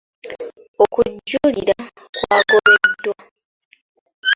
Okujulira kwagobeddwa.